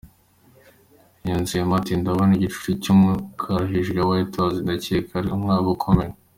Yunzemo ati “Ndabona igicucucu cy’ umukara hejuru ya White house…ndakeka ari umwaka ukomeye”.